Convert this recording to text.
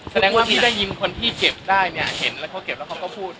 แสดงว่าพี่ได้ยินคนที่เก็บได้เนี่ยเห็นแล้วเขาเก็บแล้วเขาก็พูด